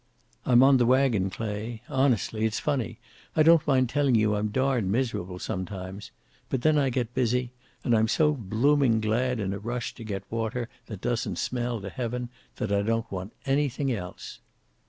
"I'm on the wagon, Clay. Honestly, it's funny. I don't mind telling you I'm darned miserable sometimes. But then I get busy, and I'm so blooming glad in a rush to get water that doesn't smell to heaven that I don't want anything else.